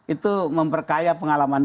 itu memperkaya pengalaman